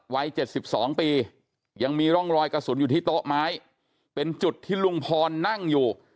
วัย๗๒ปียังมีร่องรอยกระสุนอยู่ที่โต๊ะไม้เป็นจุดที่ลุงพรนั่งอยู่